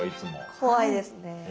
怖いですね。